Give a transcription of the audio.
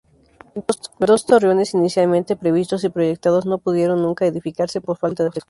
Dos torreones inicialmente previstos y proyectados no pudieron nunca edificarse, por falta de recursos.